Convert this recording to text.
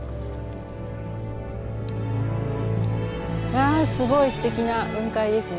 わあすごいすてきな雲海ですね。